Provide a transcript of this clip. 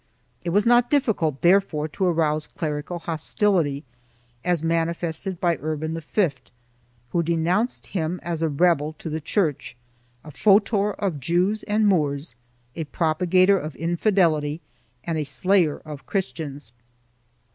It was not difficult therefore to arouse clerical hostility, as manifested by Urban V, who denounced him as a rebel to the Church, a fautor of Jews and Moors, a propagator of infidelity and a slayer of Christians.